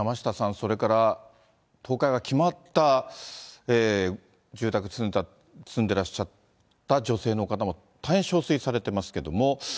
それから倒壊が決まった住宅に住んでらっしゃった女性の方も大変憔悴されてますけども。